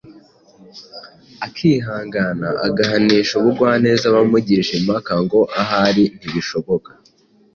akihangana, agahanisha ubugwaneza abamugisha impaka, ngo ahari, nibishoboka,